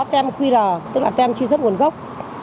tem qr tức là tem truy xuất nguồn gốc